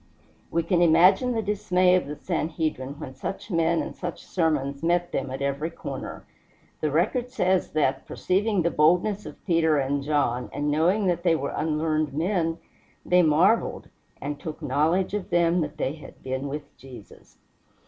We can imagine the dismay of the Sanhedrim when such men and such sermons met them at every corner. The record says that, perceiving the boldness of Peter and John, and knowing that they were unlearned men, they marveled, and took knowledge of them that they had been with Jesus!